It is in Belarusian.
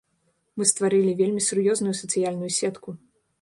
Мы стварылі вельмі сур'ёзную сацыяльную сетку.